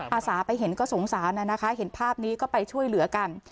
อาสาไปเห็นก็สงสารนะคะเห็นภาพนี้ก็ไปช่วยเหลือกัน